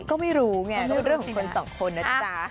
ก็ไม่รู้ไงก็เรื่องของคนสองคนนะจ๊ะ